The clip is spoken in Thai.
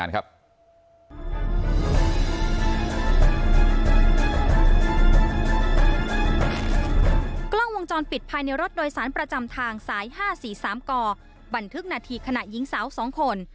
กล้องวงจรปิดภายในรถโดยสารประจำทางสาย๕๔๓กบันทึกนาทีขณะหญิงสาว๒คน